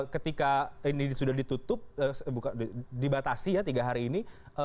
ketika ini sudah ditutup dibatasi ya tiga hari ini